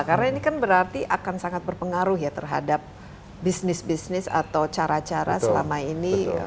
karena ini kan berarti akan sangat berpengaruh ya terhadap bisnis bisnis atau cara cara selama ini